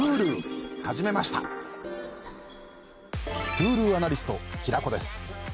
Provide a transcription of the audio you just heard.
Ｈｕｌｕアナリスト平子です。